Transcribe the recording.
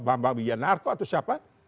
bambang wiyanarko atau siapa